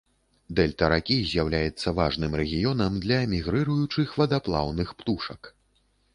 Дэльта ракі з'яўляецца важным рэгіёнам для мігрыруючых вадаплаўных птушак.